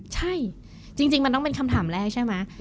ใช่จริงมันต้องเป็นคำถามแรกใช่ไหม